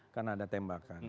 karena ada tembakan